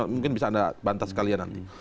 mungkin bisa anda bantas sekalian nanti